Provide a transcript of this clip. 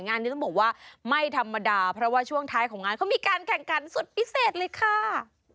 งานนี้ต้องบอกว่าไม่ธรรมดาเพราะว่าช่วงท้ายของงานเขามีการแข่งขันสุดพิเศษเลยค่ะ